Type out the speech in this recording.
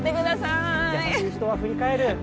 優しい人は振り返る。